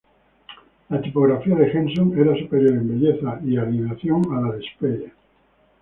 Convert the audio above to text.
La tipografía de Jenson era superior en belleza y alineación a la de Speyer.